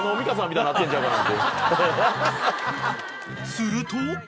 ［すると］